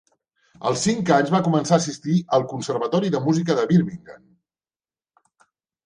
Als cinc anys va començar a assistir al Conservatori de Música de Birmingham.